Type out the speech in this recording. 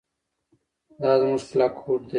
دا زموږ کلک هوډ دی.